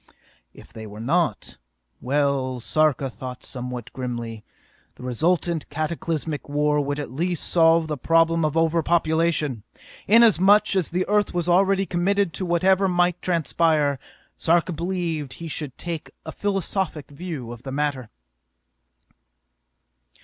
If they were not ... well, Sarka thought somewhat grimly, the resultant cataclysmic war would at least solve the problem of over population! Inasmuch as the Earth was already committed to whatever might transpire, Sarka believed he should take a philosophic view of the matter!